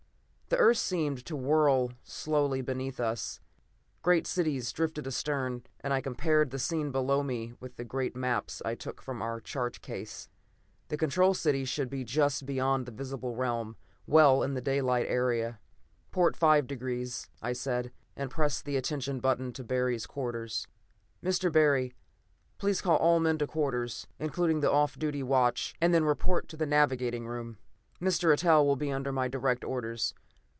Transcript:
The earth seemed to whirl slowly beneath us. Great cities drifted astern, and I compared the scene below me with the great maps I took from our chart case. The Control City should be just beyond the visible rim; well in the daylight area. "Port five degrees," I said, and pressed the attention button to Barry's quarters. "Mr. Barry, please call all men to quarters, including the off duty watch, and then report to the navigating room. Mr. Eitel will be under my direct orders.